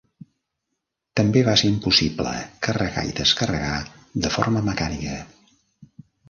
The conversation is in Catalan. També va ser impossible carregar i descarregar de forma mecànica.